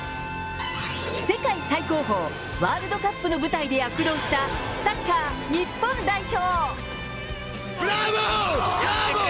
世界最高峰、ワールドカップの舞台で躍動したサッカー日本代表。